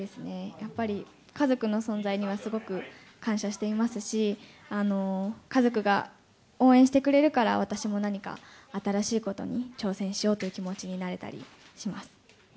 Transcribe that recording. やっぱり家族の存在にはすごく感謝していますし、家族が応援してくれるから、私も何か新しいことに挑戦しようという気持ちになれたりします。